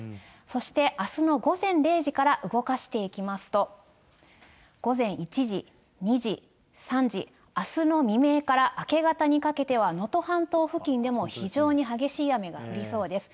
そしてあすの午前０時から動かしていきますと、午前１時、２時、３時、あすの未明から明け方にかけては、能登半島付近でも非常に激しい雨が降りそうです。